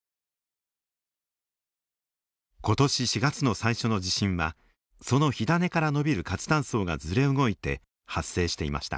今年４月の最初の地震はその火種から延びる活断層がずれ動いて発生していました。